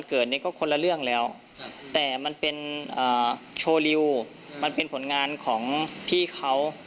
เกิดเนี่ยก็คนละเรื่องแล้วแต่มันเป็นโชว์ริวมันเป็นผลงานของพี่เขา